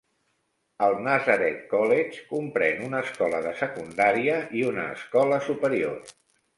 El Nazareth College comprèn una escola de secundària i una escola superior.